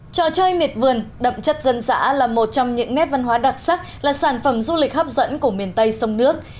trò chơi miệt vườn đậm chất dân dã là một trong những nét văn hóa đặc sắc là sản phẩm du lịch hấp dẫn của miền tây sông nước